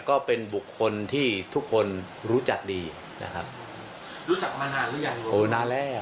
ก็เป็นบุคคลที่ทุกคนรู้จักดีนะครับรู้จักมานานหรือยังโอ้นานแล้ว